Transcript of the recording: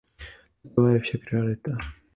Taková je však realita.